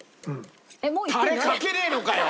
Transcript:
タレかけねえのかよ！